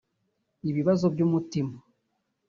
ibibazo by’umutima